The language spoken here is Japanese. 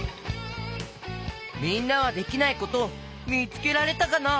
みんなはできないことみつけられたかな？